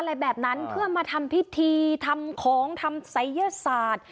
อะไรแบบนั้นเพื่อมาทำพิธีทำของทำศัยยศาสตร์